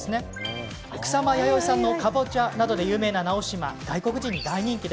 草間彌生さんのかぼちゃなどで有名な直島外国人に大人気。